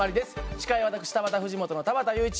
司会は私田畑藤本の田畑祐一。